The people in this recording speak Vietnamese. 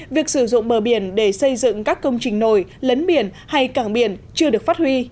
việc sử dụng bờ biển để xây dựng các công trình nổi lấn biển hay cảng biển chưa được phát huy